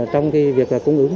trong việc cung ứng